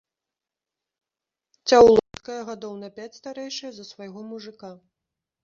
Цяўлоўская гадоў на пяць старэйшая за свайго мужыка.